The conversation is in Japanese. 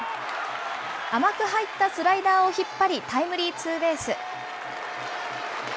甘く入ったスライダーを引っ張り、タイムリーツーベース。